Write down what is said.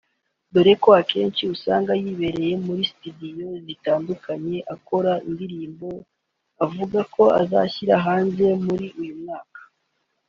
doreko akenshi usanga yibereye muri studio zitandukanye akora indirimbo avuga ko azashyira hanze muri uyu mwaka